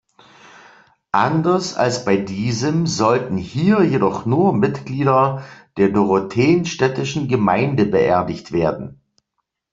Anders als bei diesem sollten hier jedoch nur Mitglieder der Dorotheenstädtischen Gemeinde beerdigt werden.